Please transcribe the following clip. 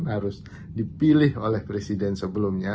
harus dipilih oleh presiden sebelumnya